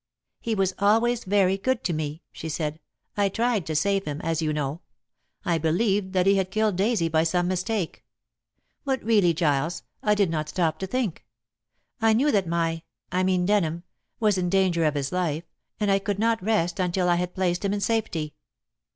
"He was always very good to me," she said. "I tried to save him, as you know. I believed that he had killed Daisy by some mistake. But really, Giles, I did not stop to think. I knew that my I mean Denham was in danger of his life, and I could not rest until I had placed him in safety."